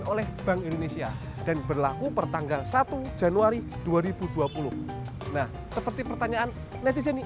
oleh bank indonesia dan berlaku pertanggal satu januari dua ribu dua puluh nah seperti pertanyaan netizen